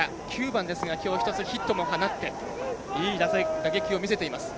９番ですがきょう、１つヒットも放っていい打撃を見せています。